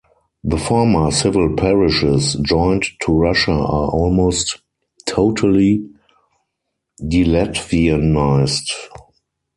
The former civil parishes joined to Russia are almost totally delatvianized.